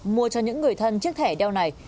mua cho những người thân chiếc thẻ đeo này